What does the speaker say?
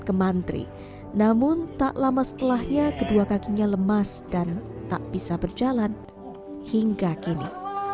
ke mantri namun tak lama setelahnya kedua kakinya lemas dan tak bisa berjalan hingga kini